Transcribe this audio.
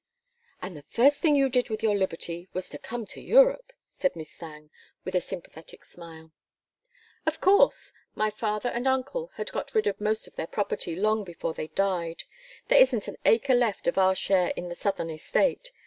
"And the first thing you did with your liberty was to come to Europe," said Miss Thangue, with a sympathetic smile. "Of course. My father and uncle had got rid of most of their property long before they died; there isn't an acre left of our share in the southern estate.